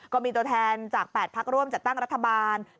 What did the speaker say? ก็มีตัวแทนจาก๘พักร่วมจัดตั้งรัฐบาล